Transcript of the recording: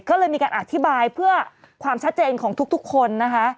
ก็เลยมีการอธิบายเพื่อความชัดเจนของทุกคนนะคะ